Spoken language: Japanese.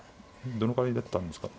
どのくらいだったんですか。